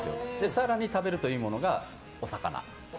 更に食べるといいものがお魚。